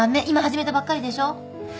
今始めたばっかりでしょ。